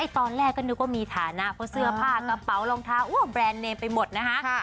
ตอนแรกก็นึกว่ามีฐานะเพราะเสื้อผ้ากระเป๋ารองเท้าแบรนด์เนมไปหมดนะคะ